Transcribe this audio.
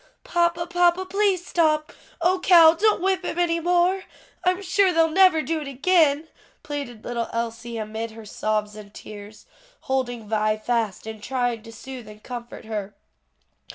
"Papa, papa, please stop. O, Cal, don't whip him any more. I'm sure they'll never do it again," pleaded little Elsie amid her sobs and tears, holding Vi fast and trying to soothe and comfort her.